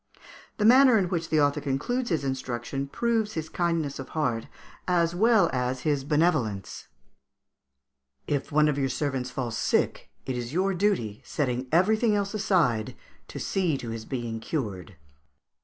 ] The manner in which the author concludes his instruction proves his kindness of heart, as well as his benevolence: "If one of your servants fall sick, it is your duty, setting everything else aside, to see to his being cured."